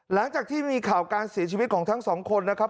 หลังจากที่มีข่าวการเสียชีวิตของทั้งสองคนนะครับ